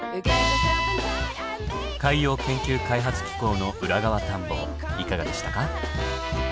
海洋研究開発機構の裏側探訪いかがでしたか？